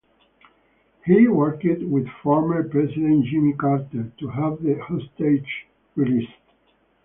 He worked with former President Jimmy Carter to have the hostages released.